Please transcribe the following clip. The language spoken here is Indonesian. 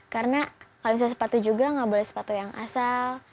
karena kalau misalnya sepatu juga nggak boleh sepatu yang asal